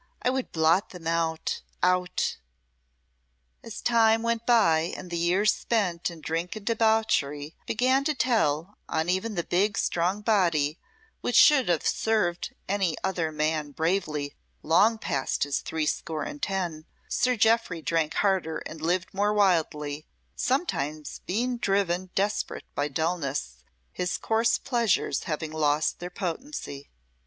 I would blot them out out." As time went by, and the years spent in drink and debauchery began to tell even on the big, strong body which should have served any other man bravely long past his threescore and ten, Sir Jeoffry drank harder and lived more wildly, sometimes being driven desperate by dulness, his coarse pleasures having lost their potency.